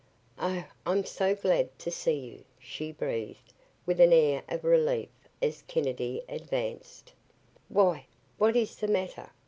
"Oh I'm so glad to see you," she breathed, with an air of relief as Kennedy advanced. "Why what is the matter?"